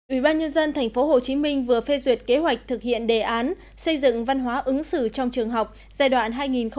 ủy ban nhân dân tp hcm vừa phê duyệt kế hoạch thực hiện đề án xây dựng văn hóa ứng xử trong trường học giai đoạn hai nghìn một mươi chín hai nghìn hai mươi năm